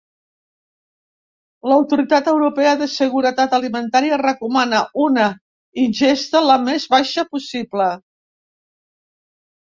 L'Autoritat Europea de Seguretat Alimentària recomana una ingesta la més baixa possible.